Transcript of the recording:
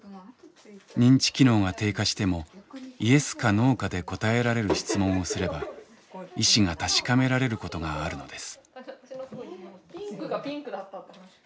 認知機能が低下してもＹＥＳかＮＯかで答えられる質問をすれば意思が確かめられることがあるのです。